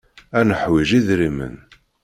Ad neḥwij idrimen.